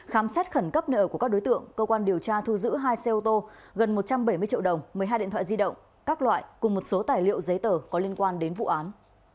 khám xét khẩn cấp nợ của các đối tượng cơ quan điều tra thu giữ hai xe ô tô gần một trăm bảy mươi triệu đồng một mươi hai điện thoại di động các loại cùng một số tài liệu giấy tờ có liên quan đến vụ án